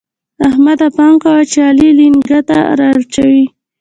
احمده! پام کوه چې علي لېنګته دراچوي.